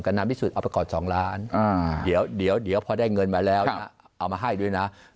นานที่สุดเอาไปก่อน๒ล้านเดี๋ยวพอได้เงินมาแล้วนะเอามาให้ด้วยนะ